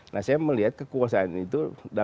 nah saya melihat kekuasaan itu